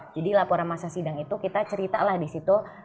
jadi laporan masa sidang itu kita cerita lah di situ